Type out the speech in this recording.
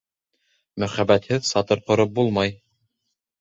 Мөхәббәтһеҙ сатыр ҡороп булмай.